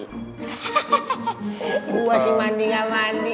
gua sih mandi gak mandi